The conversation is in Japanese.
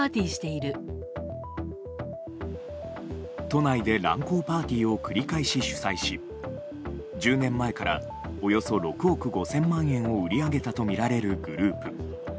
都内で乱交パーティーを繰り返し主催し１０年前からおよそ６億５０００万円を売り上げたとみられるグループ。